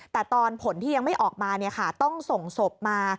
แต่ตอนผลที่ยังไม่ออกมาต้องส่งศพมา